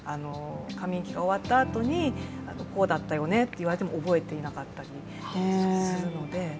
過眠期が終わったあとにこうだったよねって言われても覚えていなかったりするので。